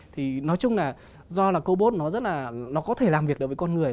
thì nói chung là do là cô bốt nó rất là nó có thể làm việc được với con người